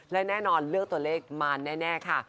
และแน่นอนเลือกตัวเลขมาแน่ค่ะ